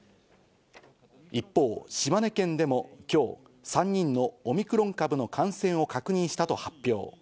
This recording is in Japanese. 一方、島根県でもきょう、３人のオミクロン株の感染を確認したと発表。